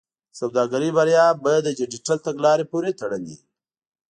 د سوداګرۍ بریا به د ډیجیټل تګلارې پورې تړلې وي.